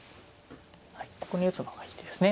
はいここに打つのがいい手ですね。